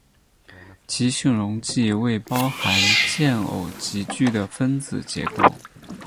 极性溶剂为包含键偶极矩的分子结构。